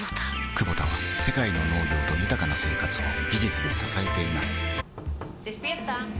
クボタは世界の農業と豊かな生活を技術で支えています起きて。